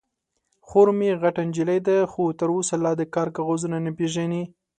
_خور مې غټه نجلۍ ده، خو تر اوسه لا د کار کاغذونه نه پېژني.